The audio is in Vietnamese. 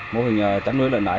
mô hình trăn nuôi lợi nái